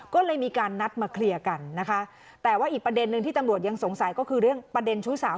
ก็เลยมีการนัดมาเคลียร์กันนะคะแต่ว่าอีกประเด็นนึงที่ตำรวจยังสงสัยก็คือเรื่องประเด็นชู้สาว